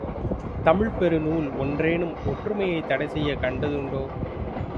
தமிழ்ப்பெருநூல் ஒன்றேனும் ஒற்றுமையைத் தடைசெய்யக் கண்ட துண்டோ?